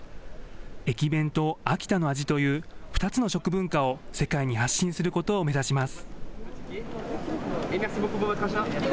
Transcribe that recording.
駅弁と秋田の味という、２つの食文化を世界に発信することを目指します。